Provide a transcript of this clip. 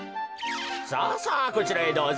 さあさあこちらへどうぞ。